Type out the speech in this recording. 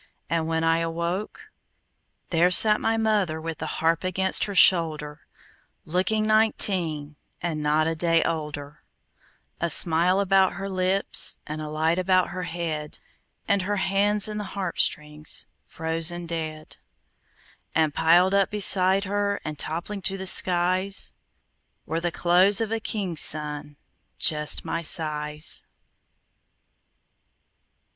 And when I awoke,– There sat my mother With the harp against her shoulder Looking nineteen And not a day older, A smile about her lips, And a light about her head, And her hands in the harp strings Frozen dead. And piled up beside her And toppling to the skies, Were the clothes of a king's son, Just my size.